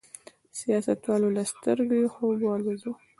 سیاستوالو له سترګو یې خوب والوځاوه.